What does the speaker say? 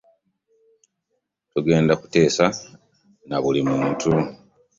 Tugenda kuteesa na buli muntu.